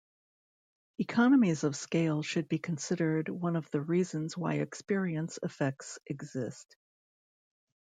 Economies of scale should be considered one of the reasons why experience effects exist.